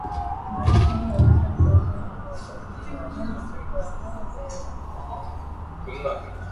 Բնակիչների և օֆիսային տարածքների համար գործում են առանձին նախասրահներ և վերելակներ։